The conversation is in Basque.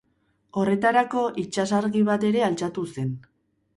Horretarako itsas-argi bat ere altxatu zen.